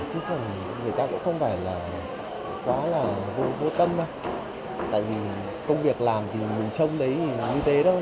chứ còn người ta cũng không phải là quá là vô tâm đâu tại vì công việc làm thì mình trông thấy như thế thôi